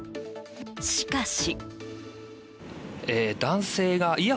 しかし。